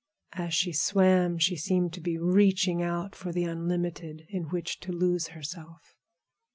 As she swam she seemed to be reaching out for the unlimited in which to lose herself.